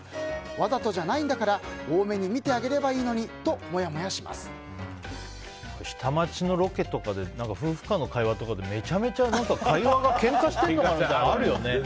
わざとじゃないんだから大目に見てあげればいいのにと下町のロケとかで夫婦間の会話とかでめちゃめちゃ会話がけんかしてるみたいなのあるよね。